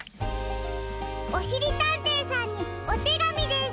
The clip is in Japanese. おしりたんていさんにおてがみです。